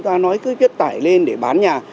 ta nói cứ chất tải lên để bán nhà